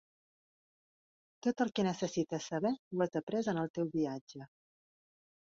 Tot el que necessites saber ho has après en el teu viatge.